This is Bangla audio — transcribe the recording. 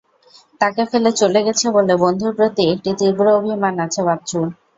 তাঁকে ফেলে চলে গেছে বলে বন্ধুর প্রতি একটা তীব্র অভিমান আছে বাচ্চুর।